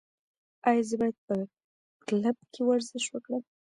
ایا زه باید په کلب کې ورزش وکړم؟